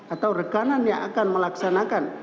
atau rekanan yang akan melaksanakan